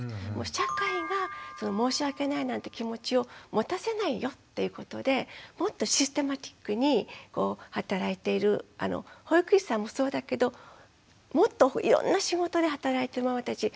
社会が「申し訳ない」なんて気持ちを持たせないよっていうことでもっとシステマティックに働いている保育士さんもそうだけどもっといろんな仕事で働いてるママたちおんなじような思いだと。